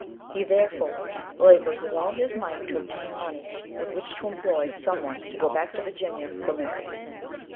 He, therefore, laboured with all his might to obtain money with which to employ some one to go back to Virginia for Mary.